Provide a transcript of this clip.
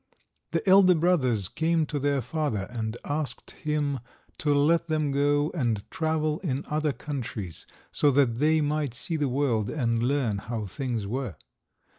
The elder brothers came to their father and asked him to let them go and travel in other countries, so that they might see the world and learn how things were.